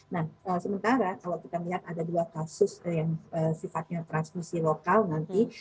nah sementara kalau kita melihat ada dua kasus yang sifatnya transmisi lokal nanti